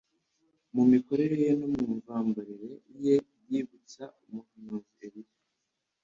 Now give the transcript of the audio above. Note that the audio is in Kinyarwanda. Mu mikorere ye no mu mvambarire ye yibutsa umuhanuzi Eliya.